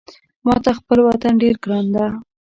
ماته خپل وطن ډېر ګران ده